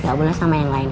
gak boleh sama yang lain